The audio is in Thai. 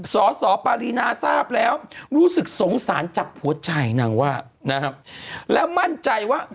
สอสอปารีนาทราบแล้วรู้สึกสงสารจากหัวใจนางว่าแล้วมั่นใจว่า